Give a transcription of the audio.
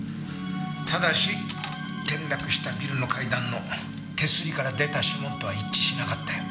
ただし転落したビルの階段の手すりから出た指紋とは一致しなかったよ。